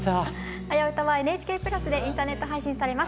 「はやウタ」はＮＨＫプラスでインターネット配信されます。